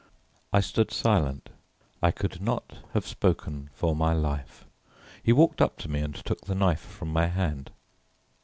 I stood silent. I could not have spoken for my life. He walked up to me and took the knife from my hand.